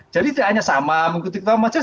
jadi itu hanya sama mengikuti keputusan majelis